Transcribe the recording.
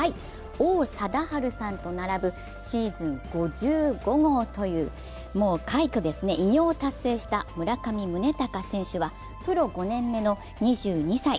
王貞治さんと並ぶシーズン５５号という快挙ですね、偉業を達成した村上宗隆選手はプロ５年目の２２歳。